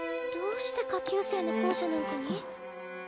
どうして下級生の校舎なんかに？